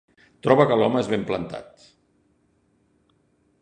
Troba que l'home és ben plantat.